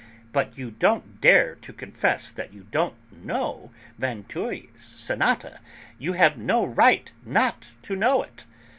But you don't dare to confess that you don't know Vinteuil's sonata; you have no right not to know it!"